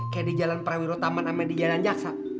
kayak di jalan prawiro taman sama di jalan jaksa